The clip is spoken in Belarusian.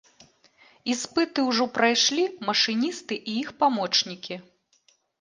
Іспыты ўжо прайшлі машыністы і іх памочнікі.